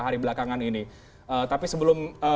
hari belakangan ini tapi sebelum